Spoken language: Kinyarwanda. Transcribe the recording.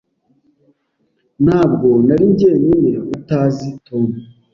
Ntabwo nari jyenyine utazi Tom.